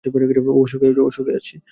ও শকে আছে!